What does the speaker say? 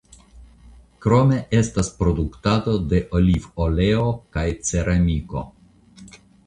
Krome estas produktado de olivoleo kaj ceramiko.